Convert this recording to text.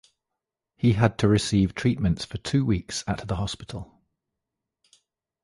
He had to receive treatments for two weeks at the hospital.